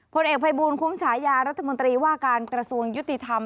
ผลเอกภัยบูลคุ้มฉายารัฐมนตรีว่าการกระทรวงยุติธรรม